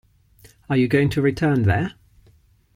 Are you going to return there?